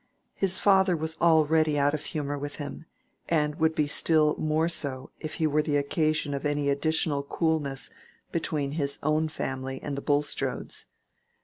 His father was already out of humor with him, and would be still more so if he were the occasion of any additional coolness between his own family and the Bulstrodes.